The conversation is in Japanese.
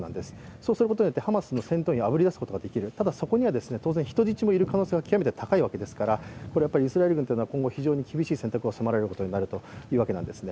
そうすることによってハマスの戦闘員をあぶり出すことができる、ただそこには人質もいる可能性が極めて高いですから、イスラエル軍は今後、非常に厳しい選択を迫られるということになるんですね。